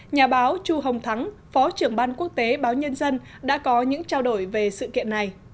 nhà báo chu hồng thắng phó trưởng ban quốc tế báo nhân dân đã có những trao đổi về sự kiện này